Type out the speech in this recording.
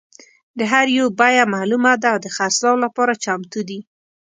د هر یو بیه معلومه ده او د خرڅلاو لپاره چمتو دي.